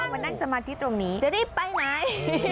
ม้นได้สมัครที่ตรงนี้จะรีบไปไหน